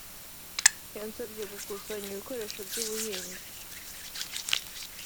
“yansabye gukusanya ibikoresho by’ubuhinzi